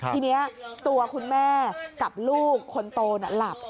ทีนี้ตัวคุณแม่กับลูกคนโตหลับ